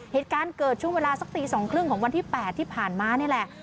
เหตุการณ์เกิดช่วงเวลาสักตี๒๓๐ของวันที่๘ที่ผ่านมานี่แหละ